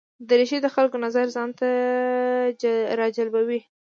دریشي د خلکو نظر ځان ته راجلبوي.